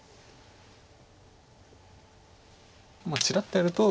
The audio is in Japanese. ちらっとやると。